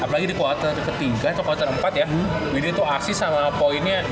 apalagi di kuartal ketiga atau kuartal empat ya